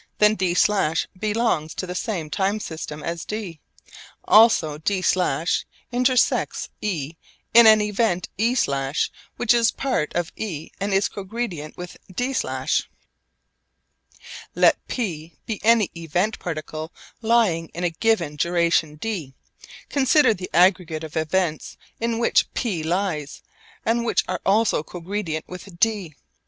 Then d′ belongs to the same time system as d. Also d′ intersects e in an event e′ which is part of e and is cogredient with d′. Let P be any event particle lying in a given duration d. Consider the aggregate of events in which P lies and which are also cogredient with d.